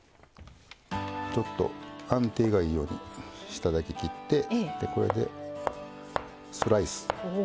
ちょっと安定がいいように下だけ切ってこれでスライス。